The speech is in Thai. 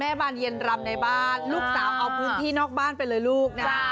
บานเย็นรำในบ้านลูกสาวเอาพื้นที่นอกบ้านไปเลยลูกนะ